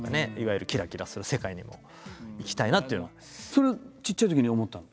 それちっちゃいときに思ったの？